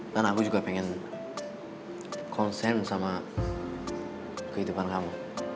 dan aku juga pengen konsen sama kehidupan kamu